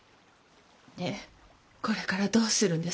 でこれからどうするんです？